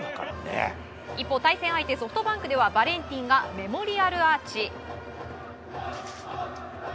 一方、対戦相手ソフトバンクではバレンティンがメモリアルアーチ。